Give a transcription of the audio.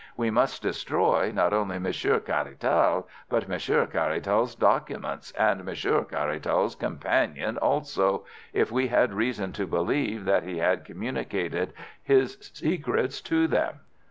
We must destroy not only Monsieur Caratal, but Monsieur Caratal's documents, and Monsieur Caratal's companions also, if we had reason to believe that he had communicated his secrets to them.